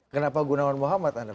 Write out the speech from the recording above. kenapa gunawan muhammad anda